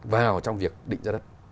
vào trong việc định ra đất